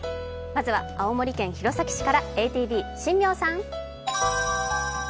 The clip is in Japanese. まずは青森県弘前市からＡＴＶ新名さん。